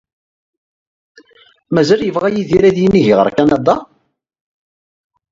Mazal yebɣa Yidir ad yinig ɣer Kanada?